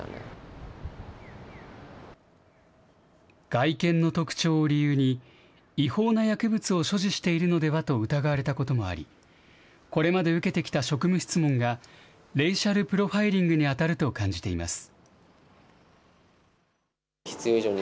外見の特徴を理由に、違法な薬物を所持しているのではと疑われたこともあり、これまで受けてきた職務質問が、レイシャルプロファイリングに当たると感じています。